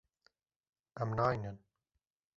Em nayînin.